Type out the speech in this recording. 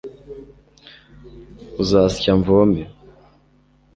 uzasya mvome